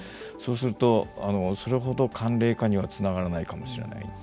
そうすると、それほど寒冷化にはつながらないかもしれない。